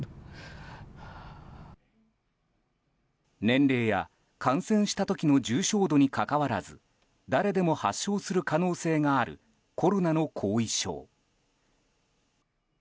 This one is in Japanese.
年齢や感染した時の重症度にかかわらず誰でも発症する可能性があるコロナの後遺症。